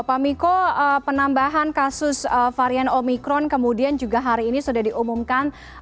pak miko penambahan kasus varian omikron kemudian juga hari ini sudah diumumkan